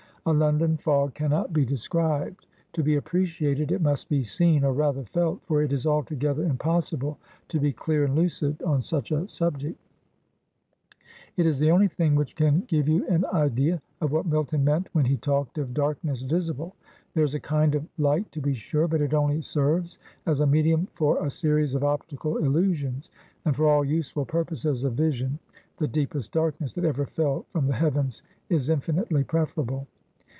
A London fog cannot be described. To be appreciated, it must be seen, or rather, felt, for it is altogether impossible to be clear and lucid on such a subject. It is the only thing AN AMERICAN BOND MAN. 69 which can give you an idea of what Milton meant when he talked of darkness visible. There is a kind of light, to be sure, but it only serves as a medium for a series of optical illusions, and for all useful purposes of vision, the deepest darkness that ever fell from the heavens is infinitely preferable.